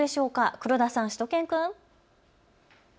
黒田さん、しゅと犬くん。